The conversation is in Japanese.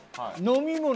飲み物？